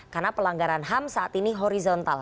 karena pelanggaran ham saat ini horizontal